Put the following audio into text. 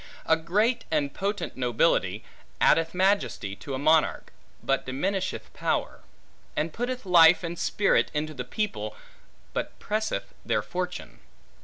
A great and potent nobility, addeth majesty to a monarch, but diminisheth power; and putteth life and spirit into the people, but presseth their fortune.